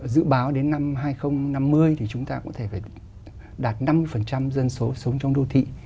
dự báo đến năm hai nghìn năm mươi thì chúng ta có thể phải đạt năm mươi dân số sống trong đô thị